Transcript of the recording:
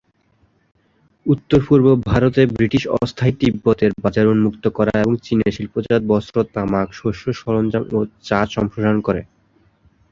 উত্তর-পূর্ব ভারতে ব্রিটিশ অস্থায়ী তিব্বতের বাজার উন্মুক্ত করা এবং চীনের শিল্পজাত বস্ত্র, তামাক, শস্য, সরঞ্জাম ও চা সম্প্রসারণ করে।